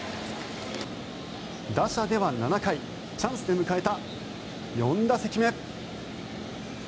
打者では７回チャンスで迎えた４打席目。